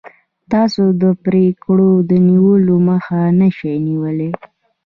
تاسو د پرېکړو د نیولو مخه نشئ نیولی.